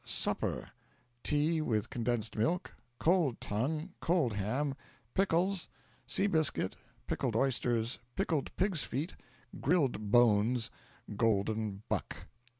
supper: tea, with condensed milk, cold tongue, cold ham, pickles, sea biscuit, pickled oysters, pickled pigs' feet, grilled bones, golden buck.